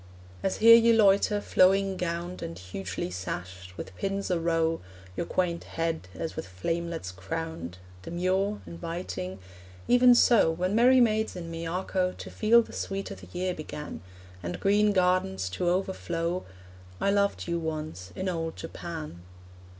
As here you loiter, flowing gowned And hugely sashed, with pins a row Your quaint head as with flamelets crowned, Demure, inviting even so, When merry maids in Miyako To feel the sweet o' the year began, And green gardens to overflow, I loved you once in old Japan.